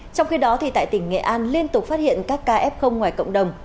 trong khi đó tại tỉnh nghệ an liên tục phát hiện các ca f ngoài cộng đồng